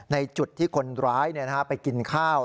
ในจุดที่คนร้ายไปกินข้าว